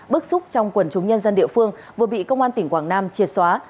bức xúc trong quần chúng nhân dân địa phương vừa bị công an tỉnh quảng nam triệt xóa